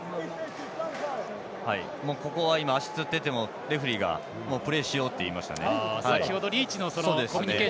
ここは足つっててもレフリーがもうプレーしようって言いましたね。